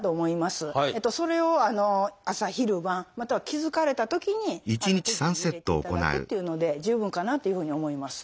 それを朝昼晩または気付かれたときに適宜入れていただくっていうので十分かなというふうに思います。